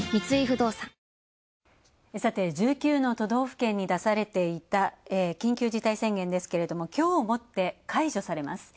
さて、１９の都道府県に出されていた緊急事態宣言ですけれども、きょうをもって解除されます。